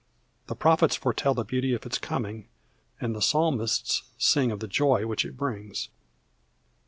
The prophets foretell the beauty of its coming and the psalmists sing of the joy which it brings.